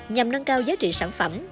nhằm nâng cao giá trị sản phẩm